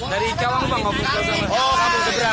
dari cawang bang kampung seberang